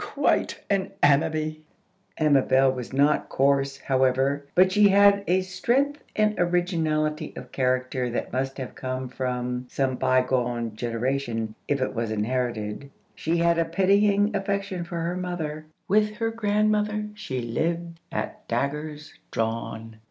Quite an Ammaby!" Amabel was not coarse, however; but she had a strength and originality of character that must have come from some bygone generation, if it was inherited. She had a pitying affection for her mother. With her grandmother she lived at daggers drawn.